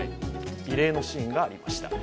異例のシーンがありました。